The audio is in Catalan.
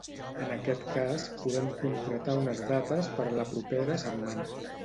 En aquest cas podem concretar unes dates per la propera setmana